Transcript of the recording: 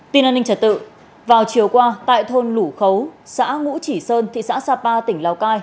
tin an ninh trật tự vào chiều qua tại thôn lũ khấu xã ngũ chỉ sơn thị xã sapa tỉnh lào cai